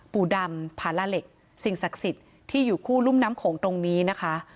ปู่ดำผาลาเหล็กสิ่งศักดิ์สิทธิ์ที่อยู่คู่รุ่มน้ำโขงตรงนี้นะคะ